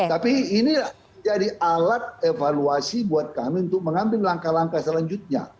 tapi ini jadi alat evaluasi buat kami untuk mengambil langkah langkah selanjutnya